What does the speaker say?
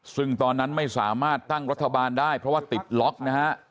ซึ่งตอนนั้นไม่สามารถตั้งรัฐบาลได้เพราะว่าติดล็อกนะฮะ